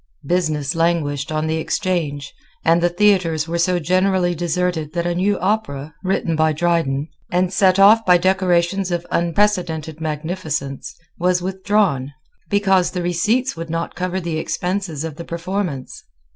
Business languished on the Exchange; and the theatres were so generally deserted that a new opera, written by Dryden, and set off by decorations of unprecedented magnificence, was withdrawn, because the receipts would not cover the expenses of the performance.